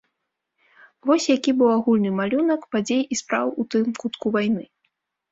Вось які быў агульны малюнак падзей і спраў у тым кутку вайны.